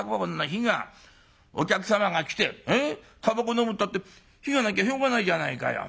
お客様が来てたばこのむったって火がなきゃしょうがないじゃないかよ。